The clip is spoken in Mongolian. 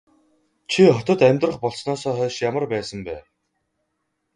Чи хотод амьдрах болсноосоо хойш ямар байсан бэ?